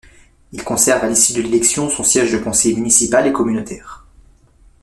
Il conserve à l'issue de l'élection son siège de conseiller municipal et communautaire.